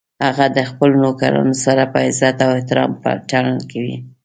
هغه د خپلو نوکرانو سره په عزت او احترام چلند کوي